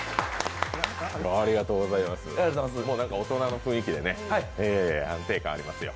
もうなんか大人の雰囲気で安定感ありますよ。